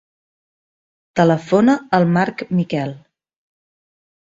Telefona al Mark Miquel.